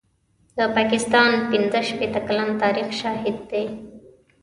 د پاکستان پنځه شپېته کلن تاریخ شاهد دی.